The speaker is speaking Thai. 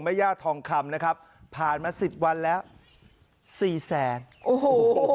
ย่าทองคำนะครับผ่านมาสิบวันแล้วสี่แสนโอ้โห